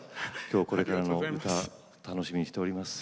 今日これからの歌楽しみにしております。